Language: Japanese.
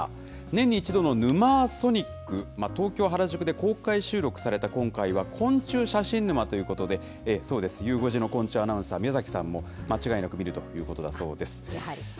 年に１度のヌマーソニック、東京・原宿で公開収録された今回は、昆虫写真沼ということで、そうです、ゆう５時の昆虫アナウンサー、みやざきさんも、間違いなく見るということだそうです。